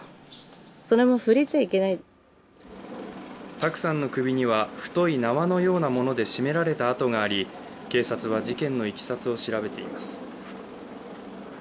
卓さんの首には太い縄のようなもので絞められたような痕があり警察は事件のいきさつを調べています。